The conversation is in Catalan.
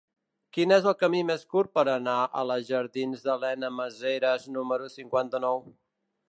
Quin és el camí més curt per anar a la jardins d'Elena Maseras número cinquanta-nou?